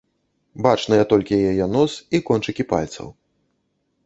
Бачныя толькі яе нос і кончыкі пальцаў.